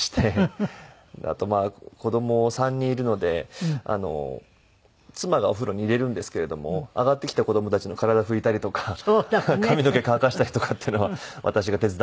あと子供３人いるので妻がお風呂に入れるんですけれども上がってきた子供たちの体拭いたりとか髪の毛乾かしたりとかっていうのは私が手伝ってます。